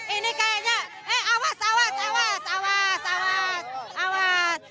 ini kayaknya eh awas awas